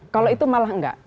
kalau itu malah enggak